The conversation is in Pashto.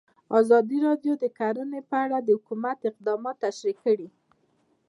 ازادي راډیو د کرهنه په اړه د حکومت اقدامات تشریح کړي.